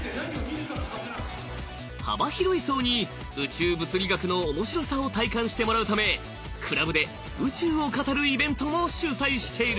幅広い層に宇宙物理学の面白さを体感してもらうためクラブで宇宙を語るイベントも主宰している。